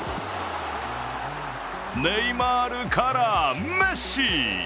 ネイマールからメッシ。